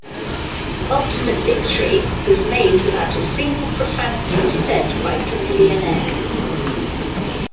"Ultimate Victory" was made without a single profanity said by Chamillionaire.